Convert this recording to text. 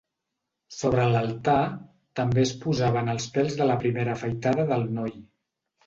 Sobre l'altar també es posaven els pèls de la primera afaitada del noi.